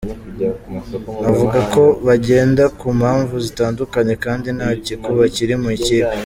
Navuga ko bagenda ku mpamvu zitandukanye kandi nta gikuba kiri mu ikipe.